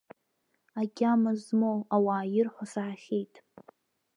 Агьама змоу ауаа ирҳәо саҳахьеит.